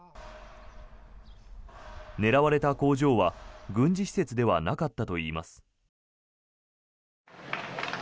狙われた工場は軍事施設ではなかったといいます。